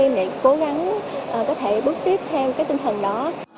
cũng có thể bước tiếp theo cái tinh thần đó